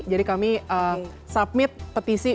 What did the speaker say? jadi kami submit petisi